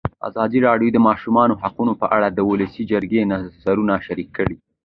ازادي راډیو د د ماشومانو حقونه په اړه د ولسي جرګې نظرونه شریک کړي.